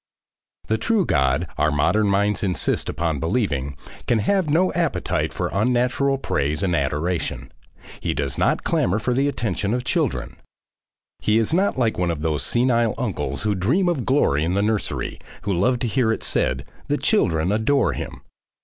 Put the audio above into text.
... The true God, our modern minds insist upon believing, can have no appetite for unnatural praise and adoration. He does not clamour for the attention of children. He is not like one of those senile uncles who dream of glory in the nursery, who love to hear it said, "The children adore him."